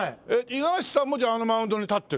五十嵐さんもじゃああのマウンドに立ってる？